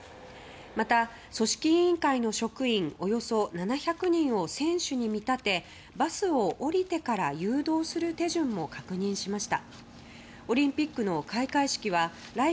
また、組織委員会の職員およそ７００人を選手に見立てバスを降りてから誘導する手順も確認しました。